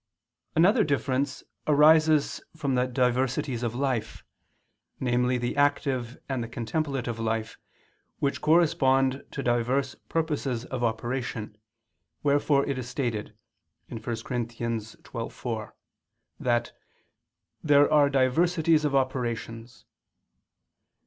Another difference arises from the diversities of life, namely the active and the contemplative life, which correspond to diverse purposes of operation, wherefore it is stated (1 Cor. 12:4, 7) that "there are diversities of operations."